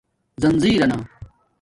زنجیرنا